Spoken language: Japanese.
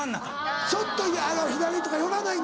ちょっと左とか寄らないんだ。